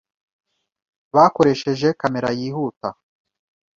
Bakoresheje kamera yihuta.